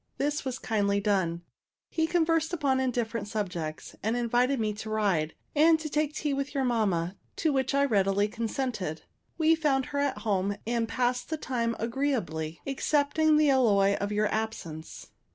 This was kindly done. He conversed upon indifferent subjects, and invited me to ride, and take tea with your mamma, to which I readily consented. We found her at home, and passed the time agreeably, excepting the alloy of your absence.